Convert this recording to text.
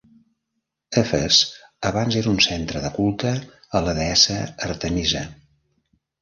Efes abans era un centre de culte a la deessa Artemisa.